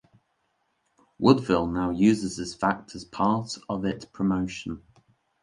Woodville now uses this fact as part of it promotion.